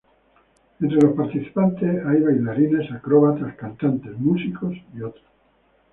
Entre los participantes hay bailarines, acróbatas, cantantes, músicos y otros.